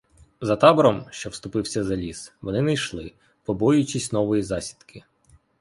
За табором, що вступився за ліс, вони не йшли, побоюючись нової засідки.